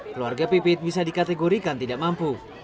keluarga pipit bisa dikategorikan tidak mampu